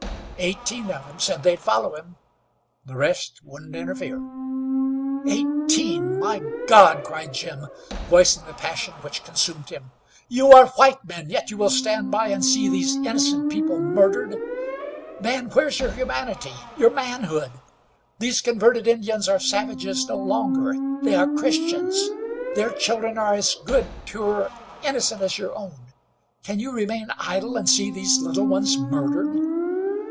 Eighteen of them said they'd follow him; the rest wouldn't interfere." "Eighteen! My God!" cried Jim, voicing the passion which consumed him. "You are white men, yet you will stand by and see these innocent people murdered! Man, where's your humanity? Your manhood? These converted Indians are savages no longer, they are Christians. Their children are as good, pure, innocent as your own. Can you remain idle and see these little ones murdered?"